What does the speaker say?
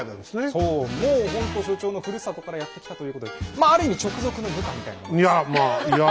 そうもうほんと所長のふるさとからやって来たということでまあある意味直属の部下みたいなことです。